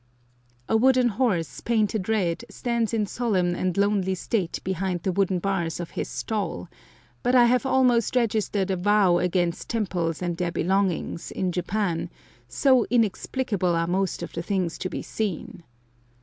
A wooden horse, painted red, stands in solemn and lonely state behind the wooden bars of his stall but I have almost registered a vow against temples and their belongings, in Japan, so inexplicable are most of the things to be seen.